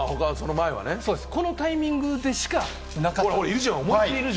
このタイミングでしかなかったんです。